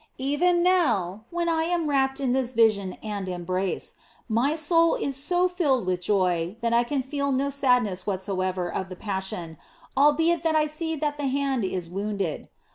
Even now, when I am rapt in this vision and embrace, my soul is so filled with joy that I can feel no sadness whatsoever of the Passion, albeit I see that that Hand is wounded.